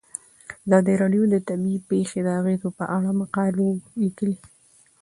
ازادي راډیو د طبیعي پېښې د اغیزو په اړه مقالو لیکلي.